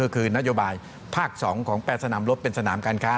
คือนโยบายภาค๒ของ๘สนามรบเป็นสนามการค้า